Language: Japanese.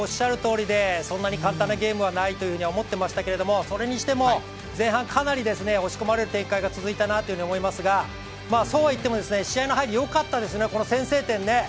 そんなに簡単なゲームはないと思っていましたが、それにしても、前半かなり押し込まれる展開が続いたなと思いますが、そうはいっても、試合の入り、よかったですね、この先制点ね。